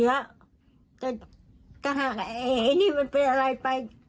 เดี๋ยวก็หากไอ้นี่มันเป็นอะไรไป